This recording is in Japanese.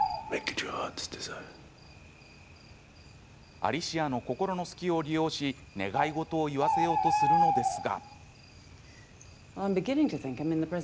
アリシアの心の隙を利用し願い事を言わせようとするのですが。